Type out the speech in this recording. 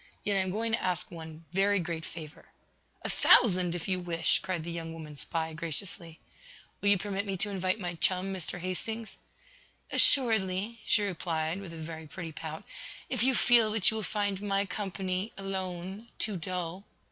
Yet I am going to ask one every great favor." "A thousand, if you wish!" cried the young woman spy, graciously. "Will you permit me to invite my chum, Mr. Hastings?" "Assuredly," she replied, with a very pretty pout, "if you feel that you will find my company, alone, too dull."